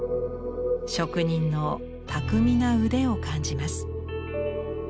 職人の巧みな腕を感じます。